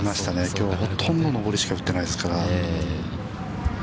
きょうほとんど上りしか打ってないですから。